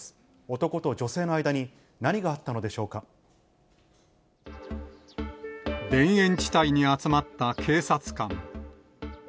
男と女性の間に何があったのでし田園地帯に集まった警察官。